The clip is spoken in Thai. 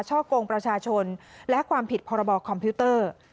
ช่อกงประชาชนและความผิดพรบคอมพิวเตอร์